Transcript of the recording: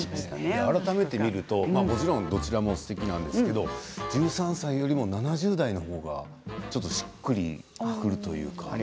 改めて見ると、もちろんどちらもすてきなんですけど１３歳よりも７０代の方がちょっとしっくりくるというか。